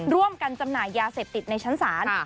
ร่วมกันจำหน่ายยาเสพติดในชั้นศาล